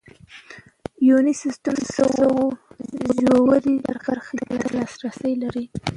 یوني سیسټم د سږو ژورې برخې ته لاسرسی لري.